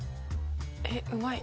えっうまい。